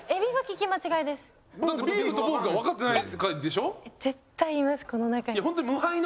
だってビーフとポークがわかってないでしょ？